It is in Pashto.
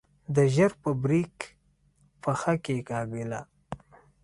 ده ژر په بريک پښه کېکاږله.